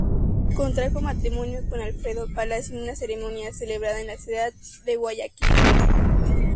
Contrajo matrimonio con Alfredo Palacio en una ceremonia celebrada en la ciudad de Guayaquil.